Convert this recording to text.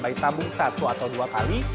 bayi tabung satu atau dua kali